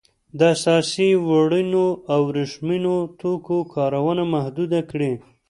د اسیايي وړینو او ورېښمينو توکو کارونه محدوده کړي.